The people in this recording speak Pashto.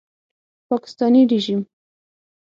پاکستاني ریژیم